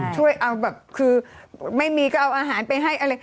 ช่วยเอาแบบคือไม่มีก็เอาอาหารไปให้อะไร